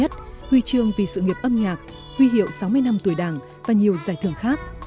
huy chương vì sự nghiệp âm nhạc huy hiệu sáu mươi năm tuổi đảng và nhiều giải thưởng khác